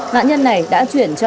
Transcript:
nạn nhân này đã chuyển cho